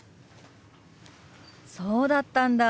そうだったんだ。